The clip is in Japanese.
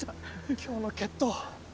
今日の決闘